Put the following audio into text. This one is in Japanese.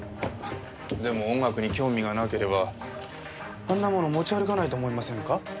でも音楽に興味がなければあんなもの持ち歩かないと思いませんか？